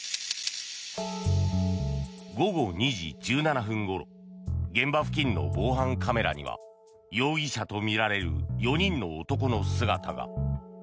午後２時１７分ごろ現場付近の防犯カメラには容疑者とみられる４人の男の姿が。